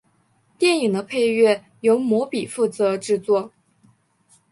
电影的配乐由魔比负责制作。